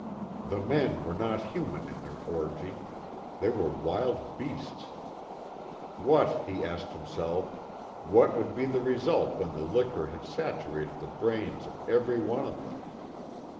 The men were not human in their orgy. They were wild beasts. What, he asked himself, what would be the result when the liquor had saturated the brains of every one of them?